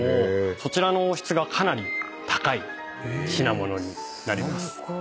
そちらの質がかなり高い品物になります。